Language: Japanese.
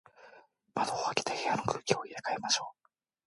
窓を開けて、部屋の空気を入れ替えましょう。